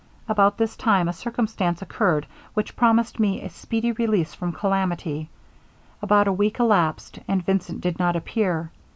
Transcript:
'About this time a circumstance occurred which promised me a speedy release from calamity. About a week elapsed, and Vincent did not appear.